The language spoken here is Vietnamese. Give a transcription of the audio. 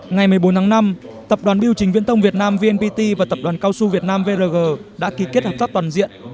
ngày một mươi bốn tháng năm tập đoàn biểu trình viễn tông việt nam vnpt và tập đoàn cao su việt nam vrg đã ký kết hợp tác toàn diện